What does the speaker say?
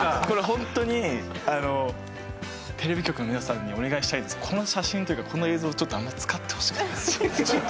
本当にテレビ局の皆さんにお願いしたいんですけどこの写真というよりこの映像ちょっとあんまり使って欲しくないんですよ。